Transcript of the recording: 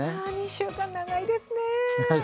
２週間長いですね。